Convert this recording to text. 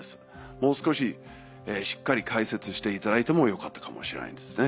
もう少ししっかり解説していただいてもよかったかもしれないですね。